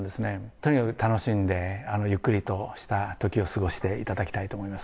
とにかく楽しんでゆっくりとした時を過ごしていただきたいと思います。